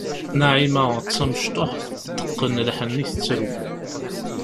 Naɛima d tamecṭuḥt, teqqen lḥenni, tettru.